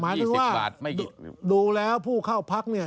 หมายถึงว่าดูแล้วผู้เข้าพักเนี่ย